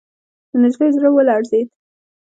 د نجلۍ زړه ولړزېد.